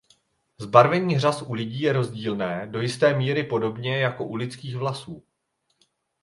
Zbarvení řas u lidí je rozdílné do jisté míry podobně jako u lidských vlasů.